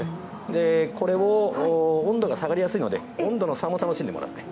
でこれを温度が下がりやすいので温度の差も楽しんでもらって。